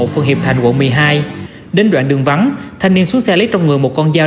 phường hiệp thành quận một mươi hai đến đoạn đường vắng thanh niên xuống xe lấy trong người một con dao